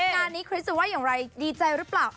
งานนี้คริสจะว่าอย่างไรดีใจหรือเปล่า